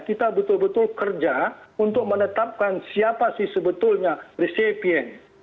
kita betul betul kerja untuk menetapkan siapa sih sebetulnya resipien